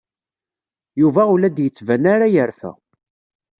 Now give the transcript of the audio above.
Yuba ur la d-yettban ara yerfa.